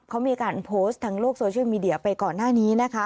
เขามีการโพสต์ทางโลกโซเชียลมีเดียไปก่อนหน้านี้นะคะ